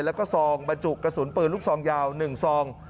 แล้วก็ซองบรรจุกระสุนปืนลูกซองยาว๑ซอง